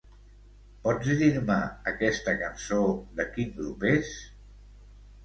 Pots dir-me aquesta cançó de quin grup és?